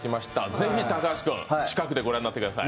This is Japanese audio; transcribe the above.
ぜひ高橋君、近くでご覧になってください。